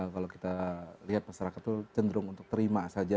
kalau kita lihat masyarakat itu cenderung untuk terima saja